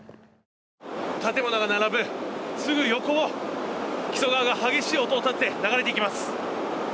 建物が並ぶすぐ横を木曽川が激しい音を立てて流れていきます。